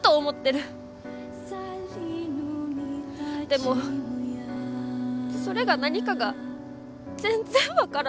でもそれが何かが全然分からない。